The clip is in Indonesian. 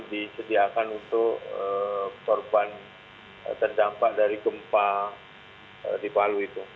disediakan untuk korban terdampak dari gempa di palu itu